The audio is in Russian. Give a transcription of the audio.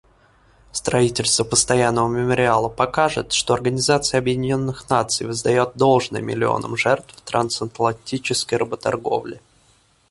Строительство постоянного мемориала покажет, что Организация Объединенных Наций воздает должное миллионам жертв трансатлантической работорговли.